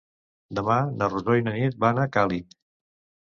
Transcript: Demà na Rosó i na Nit van a Càlig.